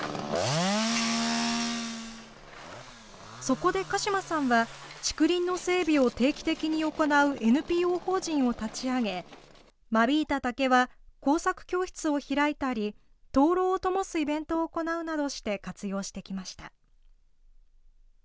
そこで鹿嶋さんは、竹林の整備を定期的に行うＮＰＯ法人を立ち上げ、間引いた竹は、工作教室を開いたり、灯籠をともすイベントを行うなど、活用してきました。